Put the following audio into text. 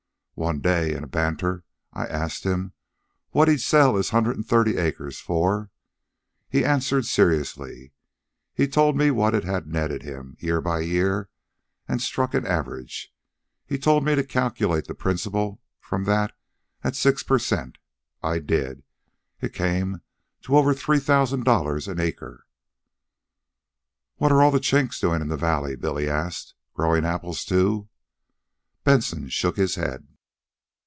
One day, in a banter, I asked him what he'd sell his hundred and thirty acres for. He answered seriously. He told me what it had netted him, year by year, and struck an average. He told me to calculate the principal from that at six per cent. I did. It came to over three thousand dollars an acre." "What are all the Chinks doin' in the Valley?" Billy asked. "Growin' apples, too?" Benson shook his head.